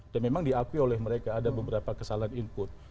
dan memang diakui oleh mereka ada beberapa kesalahan input